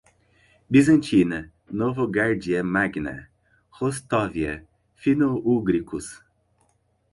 bizantina, Novogárdia Magna, Rostóvia, fino-úgricos